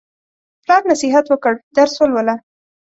پلار نصیحت وکړ: درس ولوله.